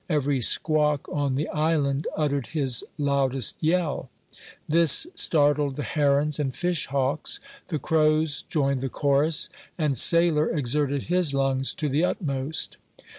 every squawk on the island uttered his loudest yell. This startled the herons and fish hawks; the crows joined the chorus, and Sailor exerted his lungs to the utmost.